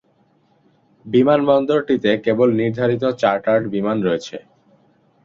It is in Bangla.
বিমানবন্দরটিতে কেবল নির্ধারিত চার্টার্ড বিমান রয়েছে।